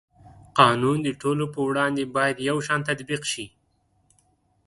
قانون د ټولو په وړاندې باید یو شان تطبیق شي.